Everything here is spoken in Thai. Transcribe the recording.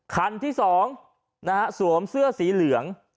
คันที่๒นะฮะสวมเสื้อสีเหลือง